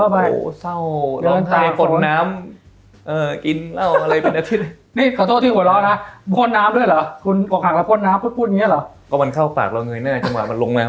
เปิดน้ำเอาตัวเข้าไปโอ้โหเศร้าร้องใจปลดน้ำ